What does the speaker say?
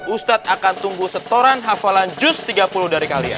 ustadz akan tunggu setoran hafalan jus tiga puluh dari kalian